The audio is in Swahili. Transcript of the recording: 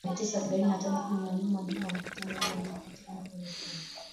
mia tisa arobaini na tano kumi na nane Wajumbe wa mkutano huu walipatana kuelekea